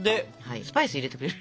スパイス入れてくれる？